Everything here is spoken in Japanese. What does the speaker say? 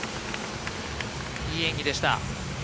いい演技でした。